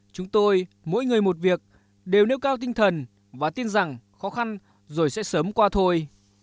chúng tôi mỗi người một việc đều nêu cao tinh thần và tin rằng khó khăn rồi sẽ sớm qua thôi